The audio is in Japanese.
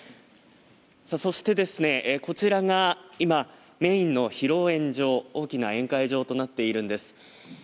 そして、こちらが今、メインの披露宴場大きな宴会場となっているんです。